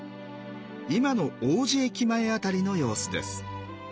今の王子駅前辺りの様子です。